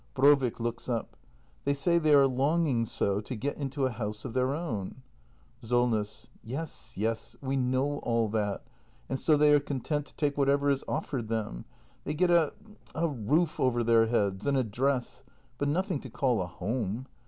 Brovik. [Looks up.] They say they are longing so to get into a house of their own. Solness. Yes, yes — we know all that! And so they are con tent to take whatever is offered them. They get a — a roof over their heads — an address — but nothing to call a home.